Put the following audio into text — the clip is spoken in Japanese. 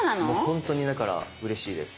本当にだからうれしいです。